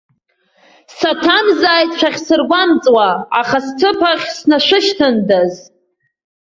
Саҭамзааит шәахьсыргәамҵуа, аха сҭыԥ ахь снашәышьҭындаз.